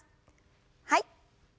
はい。